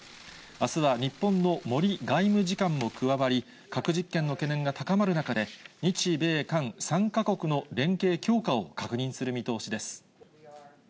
あすは日本の森外務次官も加わり、核実験の懸念が高まる中で、日米韓３か国の連携強化を確認する見通しです。